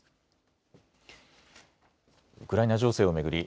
ウクライナ情勢を巡り